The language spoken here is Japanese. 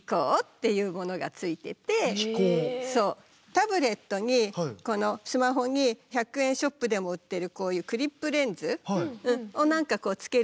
タブレットにこのスマホに１００円ショップでも売ってるこういうクリップレンズを何かこうつけると見える。